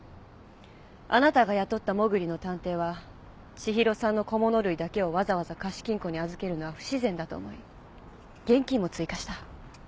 あなたが雇ったもぐりの探偵は千尋さんの小物類だけをわざわざ貸金庫に預けるのは不自然だと思い現金も追加した。